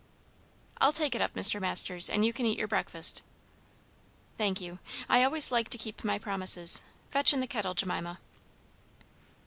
"I'll take it up, Mr. Masters; and you can eat your breakfast." "Thank you. I always like to keep my promises. Fetch in the kettle, Jemima."